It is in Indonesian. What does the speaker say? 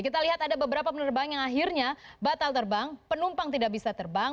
kita lihat ada beberapa penerbang yang akhirnya batal terbang penumpang tidak bisa terbang